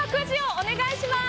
お願いします